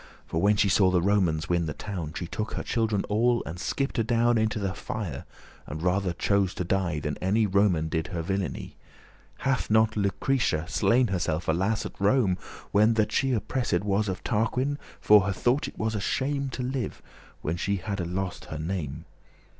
For, when she saw the Romans win the town, She took her children all, and skipt adown Into the fire, and rather chose to die, Than any Roman did her villainy. Hath not Lucretia slain herself, alas! At Rome, when that she oppressed* was *ravished Of Tarquin? for her thought it was a shame To live, when she hadde lost her name.